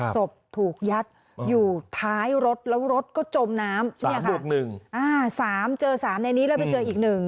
สบถูกยัดอยู่ท้ายรถแล้วรถก็จมน้ำสามรถหนึ่งอ่าสามเจอสามในนี้แล้วไปเจออีกหนึ่ง